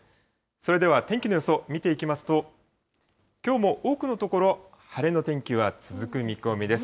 それでは天気の予想、見ていきますと、きょうも多くの所、晴れの天気は続く見込みです。